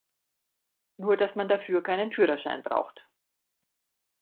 Nur dass man dafür keinen Führerschein braucht.